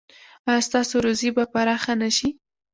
ایا ستاسو روزي به پراخه نه شي؟